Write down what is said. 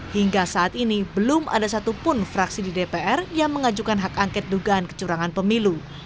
hingga saat ini belum ada satupun fraksi di dpr yang mengajukan hak angket dugaan kecurangan pemilu